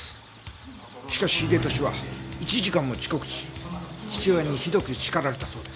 しかし英利は１時間も遅刻し父親にひどく叱られたそうです。